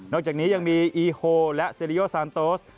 จากนี้ยังมีอีโฮและเซริโยซานโตส